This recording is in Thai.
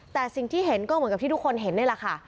แต่สิ่งที่เห็นก็เหมือนที่ทุกคนเห็นด้วยล่ะคะ